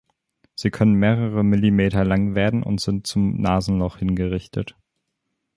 Sie können mehrere Millimeter lang werden und sind zum Nasenloch hin gerichtet.